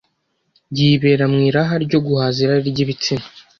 yibera mu iraha ryo guhaza irari ry’ibitsina